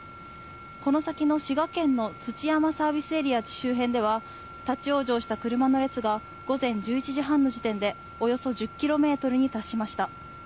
この先の滋賀県の土山サービスエリア周辺では、立往生した車の列が午前１１時半の時点でおよそ１０ｋｍに達しました。